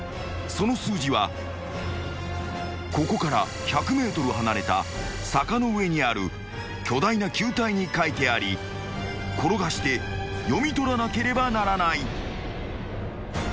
［その数字はここから１００ｍ離れた坂の上にある巨大な球体に書いてあり転がして読み取らなければならない］